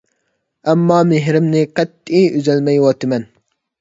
ئەمما مېھرىمنى قەتئىي ئۈزەلمەيۋاتىمەن.